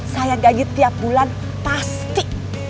saya gaji tiap bulan pasti